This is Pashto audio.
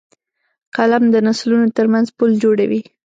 قلم د نسلونو ترمنځ پُل جوړوي